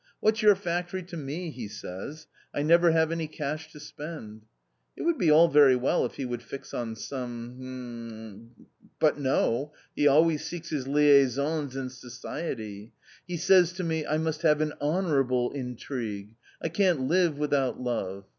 " What's your factory to me ?" he says ;" I never have any cash to spend !" It would be all very well if he would fix on some — hm — but no : he always seeks his liaisons in society; he says to me, "I must have an honourable intrigue; I can't live without love